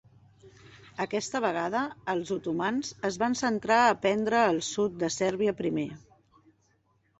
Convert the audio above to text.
Aquesta vegada els otomans es van centrar a prendre el sud de Sèrbia primer.